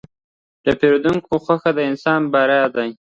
د پیرودونکي خوښي د انسان بری ده.